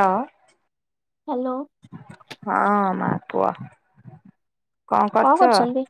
ହଁ। ହ୍ୟାଲୋ। ହଁ ମା କୁହ? କଣ କରୁଛନ୍ତି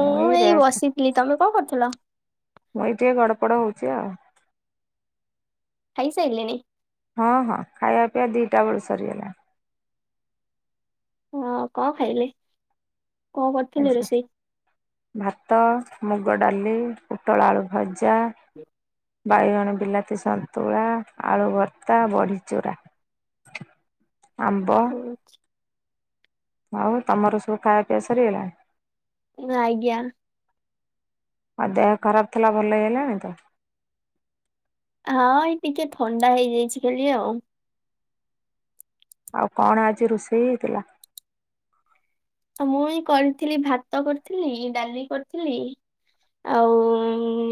ମୁଁ ଏଇ ବସିଥିଲି ତମେ କଣ କରୁଥିଲ? ମୁଁ ଏଇଠି ଟିକେ ଗଡ଼ପଡ଼ ହଉଛି ଆଉ ଖାଇସାଇଲେଣିି। ହଁ ହଁ ଖାଇବା ପିଇବା ଦିଇଟା ବେଳୁ ସରିଗଲାଣି। ହଁ କଣ ଖାଇଲେ? କଣ କରିଥିଲେ ଆଜି ରୋଷେଇ? ଭାତ ମୁଗ ଡାଲି ପୋଟଳ ଆଳୁ ଭଜା। ବାଇଗଣ ବିଲାତି ସନ୍ତୁଳା ଆଳୁ ଭର୍ତ୍ତା ବଡିଚୁରା। ଆମ୍ବ। ଆଚ୍ଛା। ଆଉ ତମର ସବୁ ଖାଅପିଅ ସରିଗଲାଣି? ଆଜ୍ଞା। ଆଉ ଦେହ ଖରାପ ଥିଲା ଭଲ ହେଇଗଲାଣି ତ? ହଁ ଏଇ ଟିକେ ଥଣ୍ଡା ହେଇଯାଇଛି ଖାଲି ଆଉ। ଆଉ କଣ ଆଜି ରୋଷେଇ ହେଇଥିଲା? ମୁଇଁଇ କରିଥିଲି ଭାତ କରିଥିଲି, ଡାଲି କରିଥିଲି ଆଉ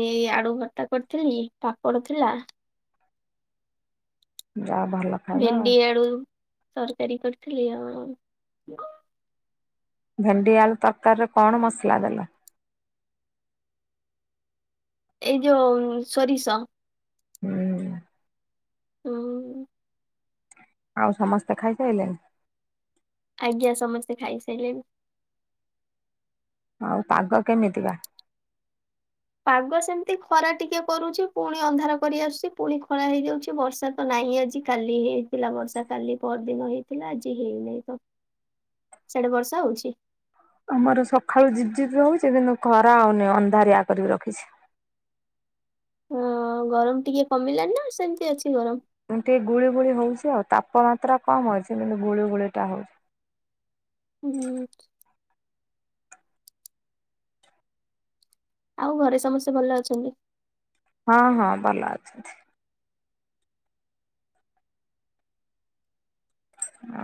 ଏଇ ଆଳୁ ଭର୍ତା କରିଥିଲି, ପାମ୍ପଡ଼ ଥିଲା। ଯା ଭଲ। ଖାଇବା ଆଉ। ଭେଣ୍ଡି ଆଳୁ ତରକାରୀ କରିଥିଲି ଆଉ ଭେଣ୍ଡି ଆଳୁ ତରକାରୀରେ କଣ ମସଲା ଦେଲ? ଏଇ ଯୋଉ ସୋରିଷ। ହୁଁ। ହୁଁ। ଆଉ ସମସ୍ତେ ଖାଇସାରିଲେଣି? ଆଜ୍ଞା ସମସ୍ତେ ଖାଇସାରିଲେଣି। ଆଉ ପାଗ କେମିତି ବା? ପାଗ ସେମିତି ଖରା ଟିକେ କରୁଛି ପୁଣି ଅନ୍ଧାର କରି ଆସୁଛି ପୁଣି ଖରା ହେଇଯାଉଛି ବର୍ଷା ତ ନହିଁ ଆଜି କାଲି ହେଇଥିଲା ବର୍ଷା, କାଲି ପର ଦିନ ହେଇଥିଲା ଆଜି ହେଇନାହିଁ ତ। ସେଆଡେ ବର୍ଷା ହଉଛି? ଆମର ସକାଳୁ ଝିପ ଝିପ ହଉଛି କିନ୍ତୁ ଖରା ଆଉନିଁ ଅନ୍ଧାରିଆ କରିକି ରଖିଛି। ହଁ ଗରମ ଟିକେ କମିଲାନି ନା ସେମତି ଅଛି ଗରମ? ଏମତି ଗୁଳି ଗୁଳି ହଉଛି ଆଉ ତାପମାତ୍ରା କମ ଅଛି କିନ୍ତୁ ଗୁଳି ଗୁଳିଟା ହଉଛି। ହୁଁ। ଆଉ ଘରେ ସମସ୍ତେ ଭଲ ଅଛନ୍ତି? ହଁ ହଁ ଭଲ ଅଛନ୍ତି।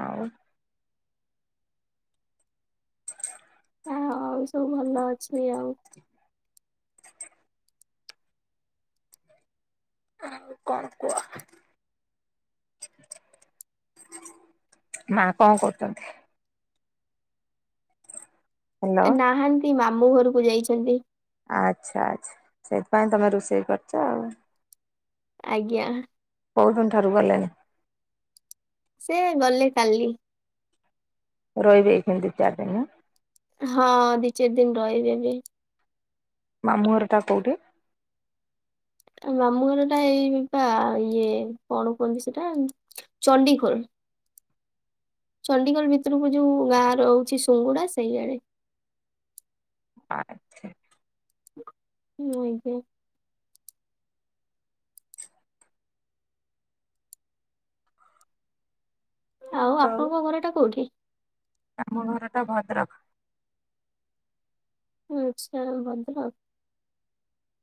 ଆଉ ଆଉ ସବୁ ଭଲ ଅଛି ଆଉ। ଆଉ କଣ କୁହ? ମା କଣ କରୁଛନ୍ତି? ହ୍ୟାଲୋ ନାହାନ୍ତି ମାମୁଁ ଘରକୁ ଯାଇଛନ୍ତି। ଆଚ୍ଛା ଆଚ୍ଛା ସେଇଥିପାଇଁ ତମେ ରୋଷେଇ କରିଛ ଆଉ। ଆଜ୍ଞା। କୋଉ ଦିନ ଠାରୁ ଗଲେଣି? ସେ ଗଲେ କାଲି। ରହିବେ ଏ ଖଣ ଦି ଚାରି ଦିନ ଆଁ? ହଁ ଦି ଚାରି ଦିନ ରହିବେ ଏବେ। ମାମୁଁ ଘର ଟା କୋଉଠି? ଆ ମାମୁଁ ଘର ଟା ଏଇ ବା ଇଏ କଣ କୁହନ୍ତି ସେଟା ଚଣ୍ଡିଖୋଲ। ଚଣ୍ଡିଗଡ଼ ଭିତରକୁ ଯୋଉ ଗାଁ ରହୁଛି ସୁଙ୍ଗୁଡା ସେଇଆଡେ। ଆଚ୍ଛା। ହୁଁ ଆଜ୍ଞା। ଆଉ ଆପଣଙ୍କ ଘର ଟା କୋଉଠି? ଆମ ଘର ଟା ଭଦ୍ରକ। ଆଛା ଭଦ୍ରକ,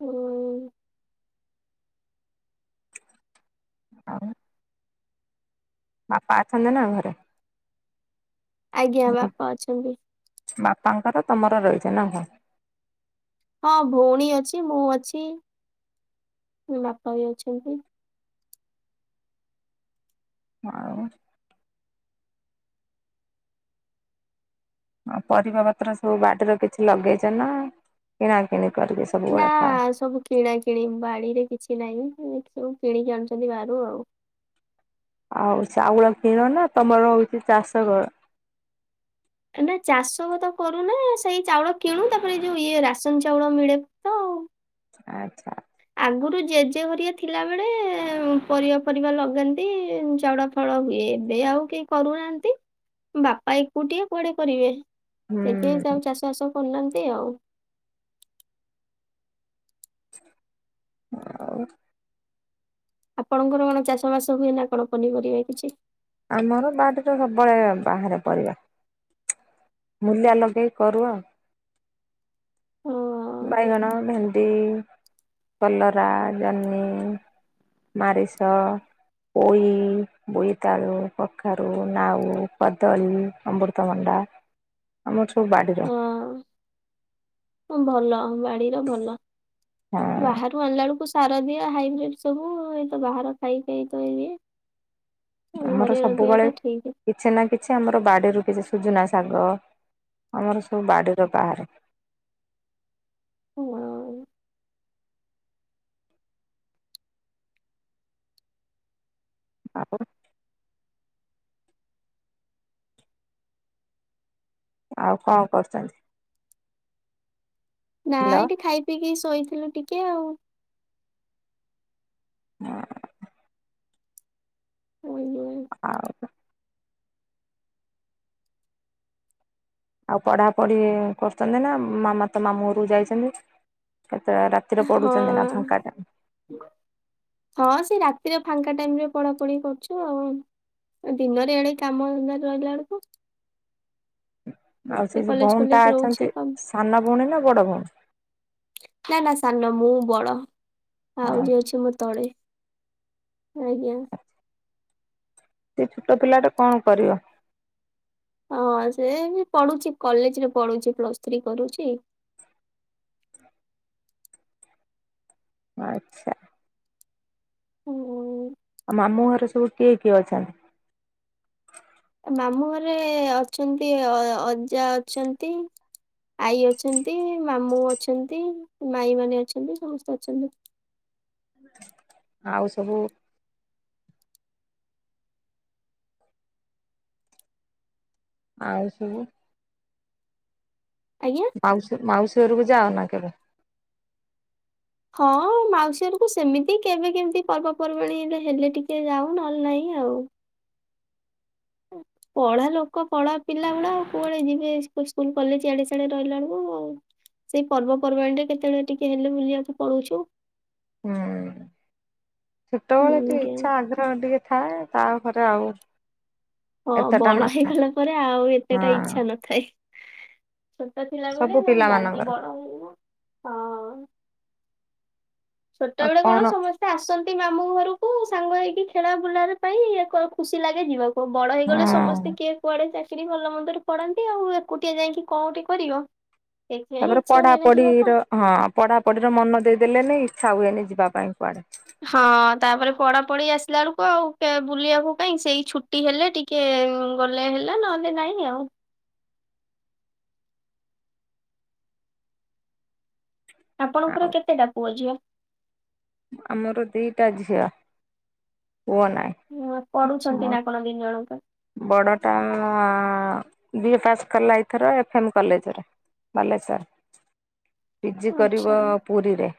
ହୁଁ। ଆଉ ବାପା ଅଛନ୍ତି ନା ଘରେ। ଆଜ୍ଞା ବାପା ଅଛନ୍ତି। ବାପାଙ୍କର ତମର ରହିଛ ନା କଣ? ହଁ ଭଉଣୀ ଅଛି ମୁଁ ଅଛିୋ ବାପା ବି ଅଛନ୍ତି। ହଁ। ଆ ପରିବା ପତ୍ର ସବୁ ବାଡିର କିଛି ଲଗେଇଛ ନା କିଣା କିିଣି କରଦେଇଛ। ନା ସବୁ କିଣା କିିଣି ବାଡିରେ କିଛି ନାହିଁ ସବୁ କିଣିକି ଆଣୁଛନ୍ତି ବାହାରୁ ଆଉ ଆଉ ଚାଉଲ କିଣ ନା ତମର ହଉଛି ଚାଷ କର। ନା ଚାଷ ତ କରୁନା ସେଇ ଚାଉଳ କିଣୁ ତାପରେ ଏ ଯୋଉ ଇଏ ରାସନ ଚାଉଳ ମିଳେ ତ ଆଉ। ଆଚ୍ଛା ଆଗରୁ ଜେଜେ ଘରିଆ ଥିଲା ବେଳେ ପରିବା ପରିବା ଲଗାନ୍ତି ଚାଉଳ ସଫଳହୁଏ ଏବେ ଆଉ କେହି କରୁନାହାନ୍ତି ବାପା ଏକୁଟିଏ କୁଆଡେ କରିବେ। ହୁଁ। ସେଥି ପାଇଁ ସବୁ ଚାଷ ବାସ କରୁନାହାନ୍ତି ଆଉ। ଆଉ ଆପଣଙ୍କର କଣ ଚାଷ ବାସ ହୁଏ ନା କଣ ପନିପରିବା କିଛି? ଆମର ବାଡ଼ିରେ ତ ସବୁବେଳେ ବାହାରେ ପରିବା। ମୂଲିଆ ଲଗେଇକି କରୁ ଆଉ। ହଁ ବାଇଗଣ, ଭେଣ୍ଡି, କଲରା, ଜହ୍ନି ମାରିଷ, ପୋଇ, ବୋଇତାଳୁ କଖାରୁ, ନାଉ, କଦଳୀ, ଅମୃତଭଣ୍ଡା ଆମର ସବୁ ବାଡ଼ିରେ। ଭଲ ବାଡିର ଭଲ ହଁ ବାହାରୁ ଅଣିଲା ବେଳକୁ ସାର ଦିଆ ହାଇବ୍ରିଡ ସବୁ ଏତ ବାହାର ଖାଇ ଖାଇ ତଇ ଆମର ସବୁବେଳେ ଠିକ କିଛି ନା କିଛି ଆମର ବାଡ଼ିରୁ କିଛି ସୁଜୁନା ଶାଗ ଆମର ସବୁ ବାଡ଼ିର ବାହାରେ ହୁ [unintelligible] ଆପ [unintelligible] ଆଉ କଣ କରୁଛନ୍ତି? ନା ହ୍ୟାଲୋ ଏଇଠି ଖାଇ ପିଇକିି ଶୋଇଥିଲୁ ଟିକେ ଆଉ। ହଁ ହ ନ [unintelligible] ଆଉ ଆଉ ପଢାପଢି କରୁଛନ୍ତି ନା ମାମା ତ ମାମୁଁ ଘରକୁ ଯାଇଛନ୍ତି କେତେ ରାତି ଏଥିରେ ପଡ଼ୁଛନ୍ତି ନା ଫାଙ୍କାଟା। ହଁ ସେ ରାତିରେ ଫାଙ୍କା ଟାଇମରେ ପଢା ପଢି କରୁଛି ଆଉ। ଦିନରେ ଏଡେ କାମ ଧନ୍ଦା ରେ ରହିଲା ବେଳକୁ ଆଉ ସେ ଯୋଉ କଲେଜ ଭଉଣୀଟା ଫଲେଜ ଅଛନ୍ତି ରହୁଛି ସାନ ଭଉଣୀ ନା ବଡ଼ ଭଉଣୀ? ନା ନା ସାନ ମୁଁ ବଡ ହଁ ଆଉରି ଅଛି ମୋ ତଳେ। ଆଜ୍ଞା ଏତେ ଛୋଟ ପିଲା ଟା କଣ କରିବ। ହଁ ସେ ପଢୁଛି କଲେଜ ରେ ପଢୁଛି ପ୍ଲସ୍ ଥ୍ରୀ କରୁଛି। ଆଚ୍ଛା ହୁ [unintelligible] ଆଉ ମାମୁଁ ଘରେ ସବୁ କିଏ କିଏ ଅଛନ୍ତି? ମାମୁଁ ଘରେ ଅଛନ୍ତି ଅ ଅଜା ଅଛନ୍ତି। ଆଈ ଅଛନ୍ତି ମାମୁଁ ଅଛନ୍ତି ମାଇଁ ମାନ ଅଛନ୍ତି ସମସ୍ତେ ଅଛନ୍ତି। ଆଉ ସବୁ ଆଉ ସବୁ ଆଜ୍ଞା। ମାଉସୀ ମାଉସୀ ଘର କୁ ଯାଅ ନା କେବେ? ହଁ ମାଉସୀ ଘରକୁ ସେମିତି କେବେ କେମିତି ପର୍ବପର୍ବାଣୀ ହେଲେ ଟିକେ ଯାଉ ନହେଲେ ନାହିଁ ଆଉ। ଉଁ। ପଢା ଲୋକ ପଢା ପିଲା ଗୁଡା ଆଉ କୁଆଡେ ଯିବେ ସ୍କୁଲ ସ୍କୁଲ୍ କଲେଜ ଇଆଡେ ସିଆଡେ ରହିଲା ଳକୁ। ସେଇ ପର୍ବପର୍ବାଣିରେ କେତେବେଳେ ଟିକେ ହେଲେ ବୁଲିବାକୁ ପଳଉଛୁ। ହୁଁ ଛୋଟ ବେଳୁ ହୁଁ କିଏ କେ ଇଚ୍ଛା ଆଗ୍ରହ ଇଛା ହେବା ଟିକେ ଥାଏ ତାପରେ ଆଉ ହଁ ଏତେଟା ବଡ ନଥାଏ ହେଇଗଲା ପରେ ଆଉ ଏତେଟା ହଁ ଇଚ୍ଛା ନଥାଏ। ଛୋଟ ଥିଲା ବେଳେ ସବୁ ପିଲା ଯାଆନ୍ତି ମାନଙ୍କର ବଡ ହେଇନା ହଁ। ଛୋଟ ବେଳେ କଣ ସମସ୍ତେ ସେ ଆସନ୍ତି ମାମୁଁ ଘରକୁ ସାଙ୍ଗ ହେଇକି ଖେଳା ବୁଲାରେ ପାଇଁ ଏକ ଖୁସି ଲାଗେ ଯିବାକୁ। ଓ ବଡ ହେଇଗଲେ ହଁ ସମସ୍ତେ କିଏ କୁଆଡେ ଚା କିରି ଭଲ ମନ୍ଦରେ ପଡାନ୍ତି ଆଉ ଏକୁଟିଆ ଯାଇକି କଉଁଠି କରିବ। ଏବେ ତାପରେ ଇଚ୍ଛା ହୁଏନେ ଯିବା ପଢାପଢିର କୁ। ହଁ ପଢାପଢିରେ ମନ ଦେଇଦେଲେନି ଇଚ୍ଛା ହୁଏନି ଯିବା ପାଇଁ କୁଆଡେ। ହଁ ତାପରେ ପଢା ପଢି ଆସିଲା ବେଳକୁ ଆଉ କେ ବୁଲିବାକୁ କାଇହିଁ ସେଇ ଛୁଟି ହେଲେ ଟି କିଏ ଗଲେ ହେଲା ନହେଲେ ନାଇଁ ଆଉ। ଆପଣଙ୍କର ଆଉ କେତେଟା ପୁଅ ଝିଅ। ଆମର ଦିଇଟା ଝିଅ ପୁଅ ନାହିଁ। ହୁଁ ପଢୁଛନ୍ତି ମୋ ନା କଣ ଦିନ ଜଣଙ୍କ। ବଡଟା ବିଏ ପାସ୍ କଲା ଏଥର ଏଫ ଏମ୍ କଲେଜରେ। ଭଲେଶର। ପିଜି କରିବ ଆଚ୍ଛା ପୁରୀରେ।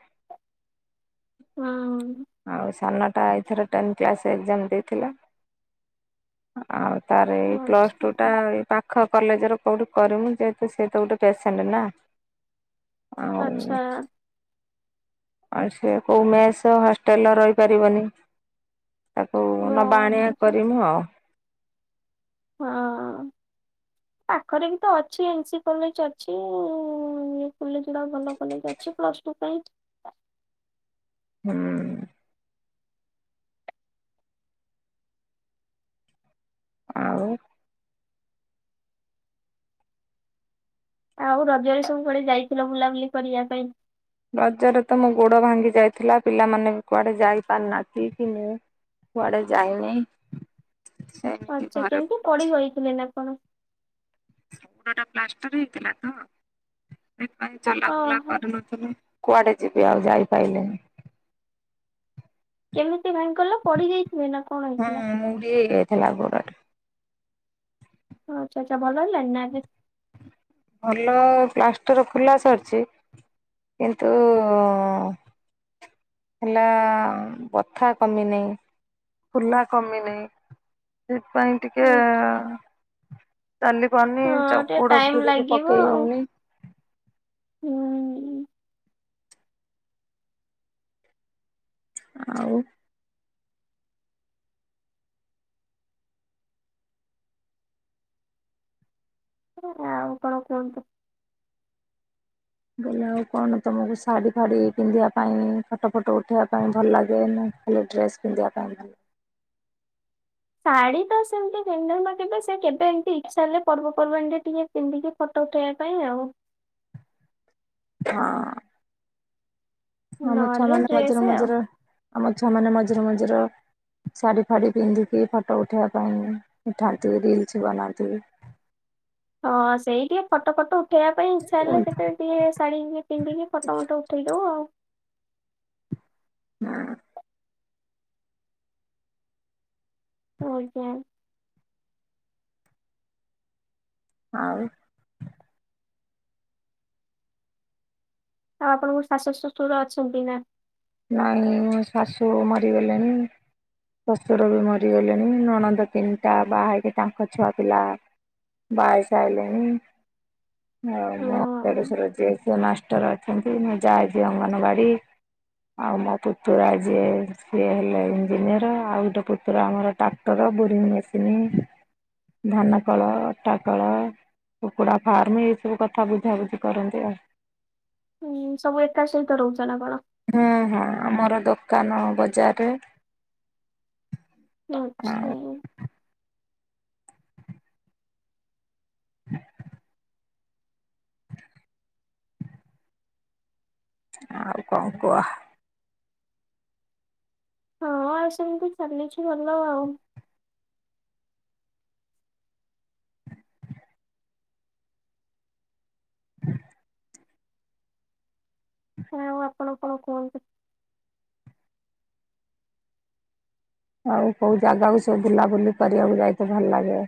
ହୁଁ ଆଉ ସାନଟା ଏଥର ଟେନ୍ଥ କ୍ଲାସ ଏକ୍ଜାମ ଦେଇଥିଲା। ଆଉ ତାର ଏଇ ପ୍ଲସ ଟୁ ଟା ଆଚ୍ଛା। ଏଇ ପାଖ ଖ କଲେଜର କେଉଁଠି କରିମୁ ଯେହେତୁ ସେ ତ ଗୋଟେ ପେସେଣ୍ଟ ନା। ଆଉ। ଆଚ୍ଛା ଆଉ ସେ କୋଉ ମେସ୍ ହଷ୍ଟେଲର ରହି ପାରିବନି। ତାକୁ ହଁ ନବା ଆଚ୍ଛା ଆଣିବା ଆଚ୍ଛା କରିମୁ ଆଉ। ହଁ ପାଖରେ ବି ତ ଅଛି ଏନ୍ ସି କଲେଜ ଅଛି। ନିୟୁ କଲେଜ ଉଡ଼ା ଭଲ କଲେଜ ଅଛି ପ୍ଲସ୍‌ ଟୁ ପାଇଁ। ହୁଁ। ଆଉ। ଆଉ ରଜରେ ସବୁ କୁଆଡେ ଯାଇଥିଲ ବୁଲାବୁଲି କରିବା ପାଇଁ। ରଜରେ ତ ମୋ ଗୋଡ ଭାଙ୍ଗି ଯାଇଥିଲା ପିଲାମାନେ ବି କୁଆଡେ ଯାଇ ପାରନାହାନ୍ତି କି ମୁଁ। କୁଆଡେ ଯାଇନି। ସେମିତି ଆଚ୍ଛା ଘରେ କେମିତ୍ ପଡି ପଡିଛି। ଯାଇଥିଲେ ନା କଣ। ଗୁଡଟା ପ୍ଲାଷ୍ଟର ହେଇଥିଲା ତ ସେଥିପାଇଁ ଚଲାବୁଲା ଓହୋ କରିନ କୁଆଡେ ଯିବି ଆଉ ଯାଇପାଇଲିନି। କେମିତି ଭାଙ୍ଗି ଗଲା ପଡିିଯାଇଥିଲେ ନା କ ହଁ ମୁଁ ବି ଟିଏ ହେଇ ଯାଇଥିଲା ଗୋଡରେ। ହଁ ଆଚ୍ଛା ଆଚ୍ଛା ଭଲ ହେଲାଣି ନା ଆ ଭଲ ପ୍ଲାଷ୍ଟର ଖୋଲା ସରିଛି କିନ୍ତୁ ହେଲା ବଥା କମିିନହି ଖୁଲା କମିନହି। ସେଥିପାଇଁ ଟିକେ ହଁ ଚାଲି ପାରୁନି ଚ ଟିକେ ଗୁଡ ଟାଇମ [unintelligible] ଲାଗିବ ପକେଇ ଆଉ ହଉନି। ହୁଁ। ଆଉ। ଆଉ କଣ କୁହନ୍ତୁ? ବୋଲେ ଆଉ କଣ ତମକୁ ଶାଢ଼ୀ ଫାଢ଼ୀ ପିନ୍ଧିବା ପାଇଁ ଫଟୋ ଫଟୋ ଉଠେଇବା ପାଇଁ ଭଲ ଲାଗିବ କି ନାହିଁ। ଭଲ ଡ୍ରେସ୍ ପିନ୍ଧିବା ପାଇଁକି ଶାଢ଼ୀ ତ ସେମିତି [unintelligible] ସେ କେବେ ଏମିତି ଇଚ୍ଛା ହେଲେ ପର୍ବପର୍ବାଣିରେ ଟିକେ ପିନ୍ଧିକି ଫଟୋ ଉଠେଇବା ପାଇଁ ଆଉ। ହଁ ଆମ ଛୁଆ ନହେଲେ ମାନେ ଡ୍ରେସ ମଝିରେ ଆଉ। ମଝିରେ ଆମ ଛୁଆ ମାନେ ମଝିରେ ମଝିରେ ଶାଢ଼ୀ ଫାଢ଼ ପିନ୍ଧିକି ଫଟୋ ଉଠାଇବା ପାଇଁ ଉଠାନ୍ତି ରିଲସ ବନାନ୍ତି। ହଁ ସେଇ ଟିକେ ଫଟ ଫଟ ଉଠେଇବା ପାଇଁ ଇଚ୍ଛା ହେଲେ କେତେ ଟିକେ ଶାଢୀ ପିନ୍ଧି କି ଫଟୋ ଫଟ, ଉଠେଇଦବୁ ଆଉ। ହଁ। ଆଞା। ଆରେ ଆଉ ଆପଣଙ୍କ ଶାଶୁ ଶ୍ୱଶୁର ଅଛନ୍ତି ନା ନାଇଁ ମୋ ଶାଶୁ ମରିଗଲେଣି। ଶ୍ୱଶୁର ବି ମରିଗଲେଣି ନଣନ୍ଦ ତିନିଟା ବାହା ହେଇକି ତାଙ୍କ ଛୁଆ ପିଲା ବାହାହେଇ ସାରିଲେଣି। ମୋ ହୁଁ ଦେଡୁସୁର ମାଷ୍ଟର ଅଛନ୍ତି ମୁଁ ଯାଇଛି ଅଙ୍ଗନବାଡି। ଆଉ ମୋ ପୁତୁରା ଯିଏ ସିଏ ହେଲେ ଇଞ୍ଜିନିୟର ଆଉ ଗୋଟେ ପୁତୁରା ଆମର ଟକ୍ ଟାକ୍ଟର ବୋରିଙ୍ଗ ମେସିନ୍ ଧାନ କଳ ଅଟା କଳ କୁକୁଡା ଫାର୍ମ ଏଇ ସବୁ କଥା ବୁଝାବୁଝି କରନ୍ତି ଆଉ। ହୁଁ ସବୁ ଏକା ସହିତ ରହୁଛ ନା କଣ? ହୁଁ ହଁ ଆମର ଦୋକାନ ବଜାରରେ। ଆଉ ଆଚ୍ଛା। [unintelligible] ଆଉ କଣ କୁହ? ହଁ ଆଉ ସେମିତି ଚାଲିଛି ଭଲ ଆଉ। ଆଉ ଆପଣ କଣ କୁହନ୍ତି? ଆଉ କେଉ ଜାଗାକୁ ସବୁ ବୁଲାବୁଲି କରିବାକୁ ଯାଇଥିଲ ଭଲ ଲାଗେ?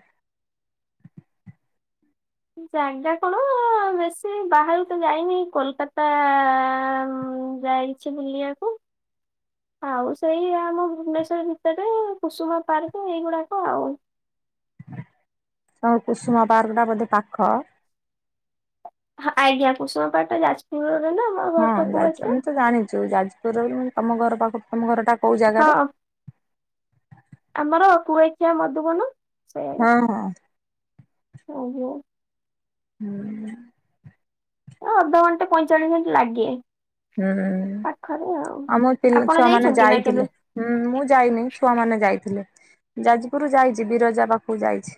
ଜାଗା କଣ ବେଶୀ ବାହାରୁକୁ ଯାଇନି କୋଲକାତା ଯାଇ ଟିକେ ବୁଲିବାକୁ। ଆଉ ସେଇ ଆମ ଭୁବନେଶ୍ୱର ଭିତରେ କୁସୁମା ପାର୍କ ଏଇଗୁଡାକ ଆଉ। ହଁ କୁସୁମା ପାର୍କଟା ବୋଧେ ପାଖ? ଆଜ୍ଞା କୁଷୁମାପାର୍କ ଯାଜପୁରରେ ନା। ଆମ ହଁ ଘର ତ ଯାଜପୁର କୁଆଖିଆ। ଆମେ ତ ଜାଣିଛୁ ଯାଜପୁର ତମ ଘର ପାଖରୁ ତମ ଘରଟା କେଉଁ ଜାଗାରେ? ହଁ ଆମର କୁଆଖିଆ ମଧୁବନ। ହଁ ହଁ। ଓହୋ। ହୁଁ। ଅଧଘଣ୍ଟେ ପଇଁଚାଳିଶ ମିନିଟ୍ ଲାଗେ। ହୁଁ ପାଖରେ ଆଉ। ଆମ ପିଲା ଆପଣ ଛୁଆମାନେ ଯାଇଛନ୍ତି ନା ଯାଇଥିଲେ। କେବେ? ହୁଁ ମୁଁ ଯାଇନି ଛୁଆ ମାନେ ଯାଇଥିଲେ ଯାଜପୁର ଯାଇଛି ବିରଜା ପାଖକୁ ଯାଇଛି।